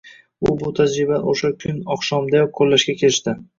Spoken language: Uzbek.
U bu tajribani oʻsha kun oqshomdayoq qoʻllashga kirishdi